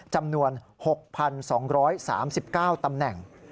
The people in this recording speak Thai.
จำนวน๖๒๓๙ตำแหน่ง